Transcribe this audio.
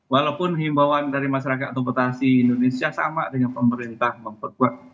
walaupun himbauan dari masyarakat atau betasi indonesia sama dengan pemerintah memperkuat